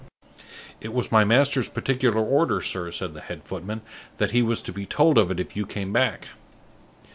"It was my master's' particular order, sir," said the head footman, "that he was to be told of it if you came back."